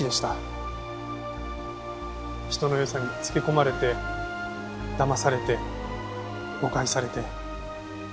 人の良さにつけ込まれて騙されて誤解されて。